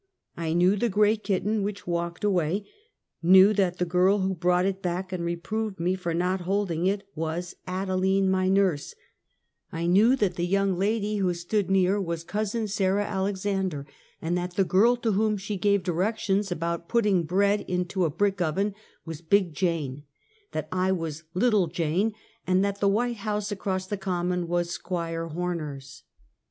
I knew the gray kitten which walked away; knew that the girl who brought it back and reproved me for not holding it was Ada line, my nurse; knew that the young lady who stood near was cousin Sarah Alexander, and that the girl to whom she gave directions about putting bread into a brick oven was Big Jane; that I was Little Jane, and that the white house across the common was Squire Horner's.